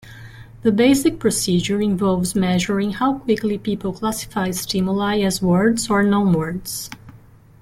The basic procedure involves measuring how quickly people classify stimuli as words or nonwords.